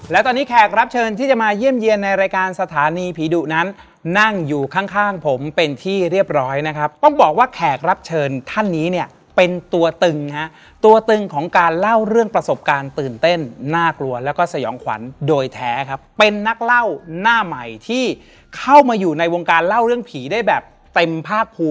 และตอนนี้แขกรับเชิญที่จะมาเยี่ยมเยี่ยนในรายการสถานีผีดุนั้นนั่งอยู่ข้างข้างผมเป็นที่เรียบร้อยนะครับต้องบอกว่าแขกรับเชิญท่านนี้เนี่ยเป็นตัวตึงฮะตัวตึงของการเล่าเรื่องประสบการณ์ตื่นเต้นน่ากลัวแล้วก็สยองขวัญโดยแท้ครับเป็นนักเล่าหน้าใหม่ที่เข้ามาอยู่ในวงการเล่าเรื่องผีได้แบบเต็มภาคภูมิ